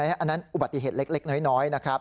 อันนั้นอุบัติเหตุเล็กน้อยนะครับ